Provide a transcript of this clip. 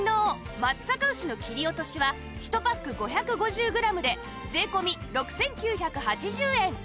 松阪牛の切り落としは１パック５５０グラムで税込６９８０円